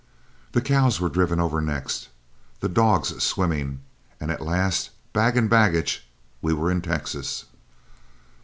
The cows were driven over next, the dogs swimming, and at last, bag and baggage, we were in Texas.